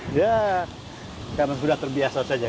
dia karena sudah terbiasa saja